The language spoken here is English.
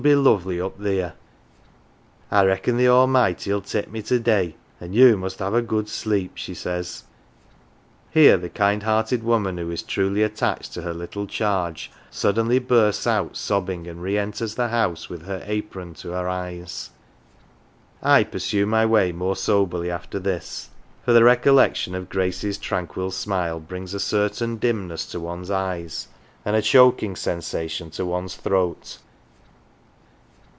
be lovely up theer. I reckon the Almighty 11 take me to day, an 1 you must have a good sleep, 1 she says." 221 HERE AND THERE Here the kind hearted woman, who is truly attached to her little charge, suddenly bursts out sobbing, and re enters the house with her apron to her eyes. I pursue my way more soberly after this, for the recollection of Grade's tran quil smile brings a cer tain dimness to one's eyes, and a choking sensation to one's throat.